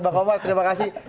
bang omar terima kasih